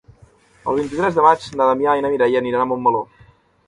El vint-i-tres de maig na Damià i na Mireia aniran a Montmeló.